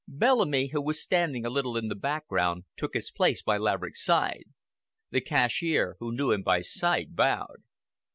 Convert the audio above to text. Bellamy, who was standing a little in the background, took his place by Laverick's side. The cashier, who knew him by sight, bowed.